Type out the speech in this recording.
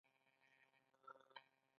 هغه شعار ورکړ چې عسکر او بزګر ژوندي دي.